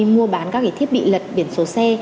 mua bán các thiết bị lật biển số xe